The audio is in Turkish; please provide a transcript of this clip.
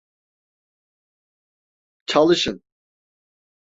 Çalışın!